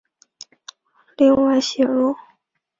另外写入速度有微小的降低。